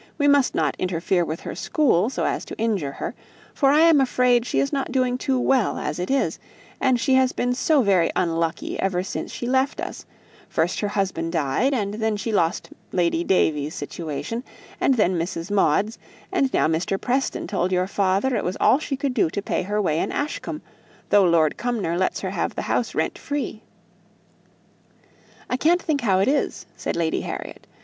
We must not interfere with her school so as to injure her, for I am afraid she is not doing too well as it is; and she has been so very unlucky ever since she left us first her husband died, and then she lost Lady Davies' situation, and then Mrs. Maude's, and now Mr. Preston told your father it was all she could do to pay her way in Ashcombe, though Lord Cumnor lets her have the house rent free." "I can't think how it is," said Lady Harriet.